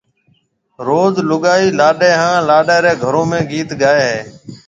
روز لوگائيَ لاڏَي ھان لاڏِي رَي گھرون ۾ گيت گائيَ ھيََََ